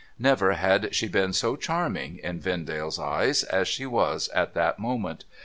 Never had she been so charming, in Vendale's eyes, as she was at that moment.